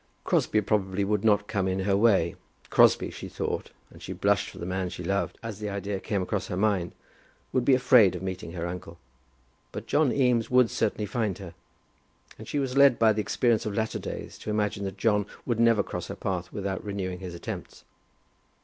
Crosbie probably would not come in her way. Crosbie she thought, and she blushed for the man she loved, as the idea came across her mind, would be afraid of meeting her uncle. But John Eames would certainly find her; and she was led by the experience of latter days to imagine that John would never cross her path without renewing his attempts.